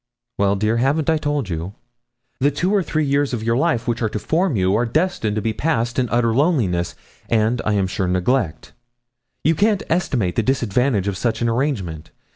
'Well, dear, haven't I told you? The two or three years of your life which are to form you are destined to be passed in utter loneliness, and, I am sure, neglect. You can't estimate the disadvantage of such an arrangement.